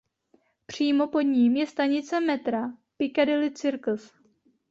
Přímo pod ním je stanice metra "Piccadilly Circus".